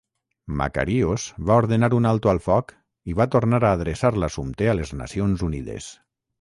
Makarios va ordenar un alto al foc i va tornar a adreçar l'assumpte a les Nacions Unides.